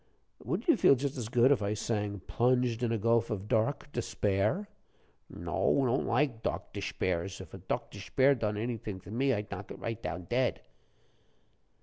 "Wouldn't you feel just as good if I sang, 'Plunged in a gulf of dark despair?'" "No, don't like dokdishpairs; if a dokdishpair done anyfing to me, I'd knock it right down dead."